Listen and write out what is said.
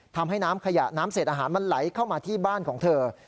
ทำให้น้ำขยะน้ำเศษอาหารมันไหลเข้ามาที่บ้านของเธอ